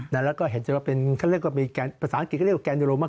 แล้วก็เห็นจะว่าเป็นเขาเรียกว่ามีภาษาอังกฤษก็เรียกว่าแกนยูโรมา